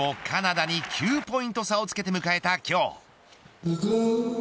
カナダに９ポイント差をつけて迎えた今日。